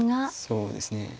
そうですね。